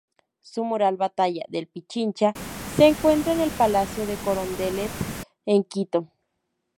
Su mural Batalla del Pichincha se encuentra en el Palacio de Carondelet en Quito.